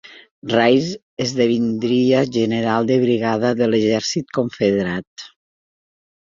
Rains esdevindria general de brigada de l'exèrcit confederat.